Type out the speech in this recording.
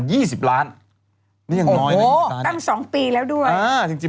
โหตั้ง๒ปีแล้วด้วยอ่าจริงมากกว่านี้ด้วยนะครับ